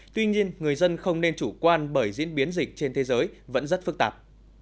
tuy nhiên người dân không nên chủ quan bởi diễn biến dịch trên thế giới vẫn rất phức tạp